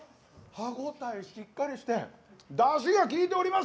歯応えしっかりしてだしがきいております。